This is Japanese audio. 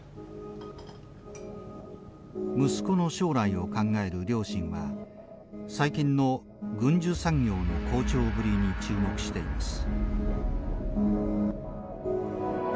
息子の将来を考える両親は最近の軍需産業の好調ぶりに注目しています。